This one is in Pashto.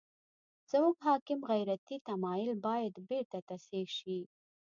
زموږ حاکم غیرتي تمایل باید بېرته تصحیح شي.